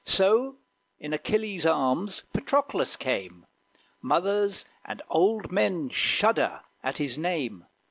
So in Achilles arms Patroclus came: Mothers and old men shudder at his name.